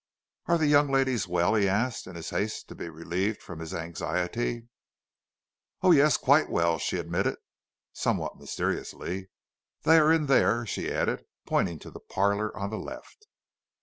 "Are the young ladies well?" he asked, in his haste to be relieved from his anxiety. "Oh, yes, quite well," she admitted, somewhat mysteriously. "They are in there," she added, pointing to the parlor on the left.